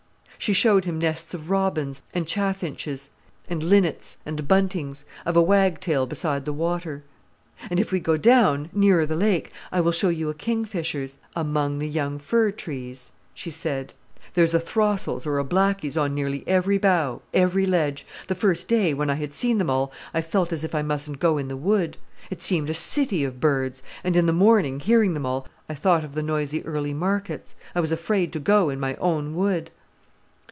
She showed him nests of robins, and chaffinches, and linnets, and buntings; of a wagtail beside the water. "And if we go down, nearer the lake, I will show you a kingfisher's...." "Among the young fir trees," she said, "there's a throstle's or a blackie's on nearly every bough, every ledge. The first day, when I had seen them all, I felt as if I mustn't go in the wood. It seemed a city of birds: and in the morning, hearing them all, I thought of the noisy early markets. I was afraid to go in my own wood."